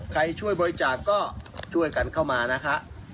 ช่วยบริจาคก็ช่วยกันเข้ามานะฮะ